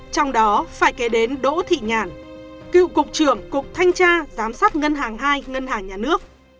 trong đó phải kể đến đỗ thị nhàn cựu cục trưởng cục thanh tra giám sát ngân hàng hai ngân hàng nhà nước